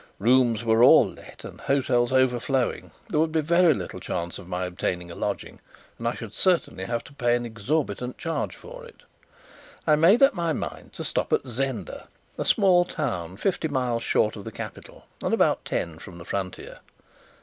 Rooms were all let and hotels overflowing; there would be very little chance of my obtaining a lodging, and I should certainly have to pay an exorbitant charge for it. I made up my mind to stop at Zenda, a small town fifty miles short of the capital, and about ten from the frontier.